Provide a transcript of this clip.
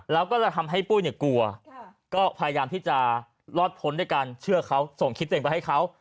แล้วก็จะทำให้ปุ้ยเนี่ยกลัวก็พยายามที่จะรอดพ้นด้วยการเชื่อเขาส่งคลิปตัวเองไปให้เขา